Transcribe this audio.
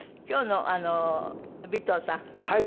今日の尾藤さん